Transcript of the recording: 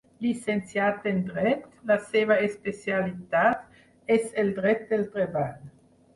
Llicenciat en dret, la seva especialitat és el dret del treball.